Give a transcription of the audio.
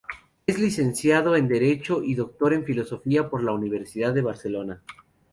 Es Licenciado en Derecho y Doctor en Filosofía por la Universidad de Barcelona.